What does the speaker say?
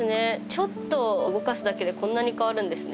ちょっと動かすだけでこんなに変わるんですね。